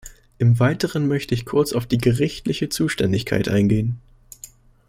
Im Weiteren möchte ich kurz auf die gerichtliche Zuständigkeit eingehen.